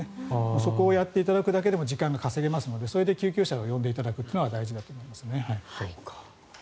そこをやっていただくだけでも時間が稼げますのでそれで救急車を呼んでいただくことが大事だと思いますね。